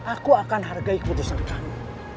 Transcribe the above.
aku akan hargai keputusan kami